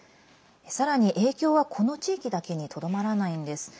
さらに影響は、この地域だけにとどまらないんです。